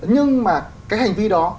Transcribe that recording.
nhưng mà cái hành vi đó